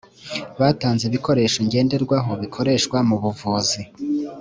btanze ibikoresho ngenderwaho bikoreshwa mu buvuzi